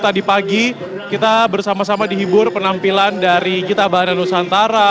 tadi pagi kita bersama sama dihibur penampilan dari kitabana nusantara